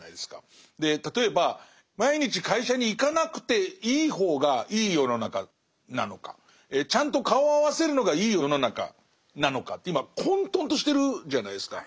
例えば毎日会社に行かなくていい方がいい世の中なのかちゃんと顔を合わせるのがいい世の中なのかって今混沌としてるじゃないですか。